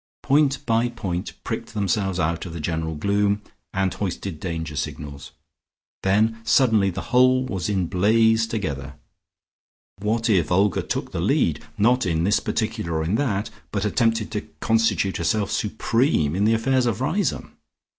Point by point pricked themselves out of the general gloom, and hoisted danger signals; then suddenly the whole was in blaze together. What if Olga took the lead, not in this particular or in that, but attempted to constitute herself supreme in the affairs of Riseholme?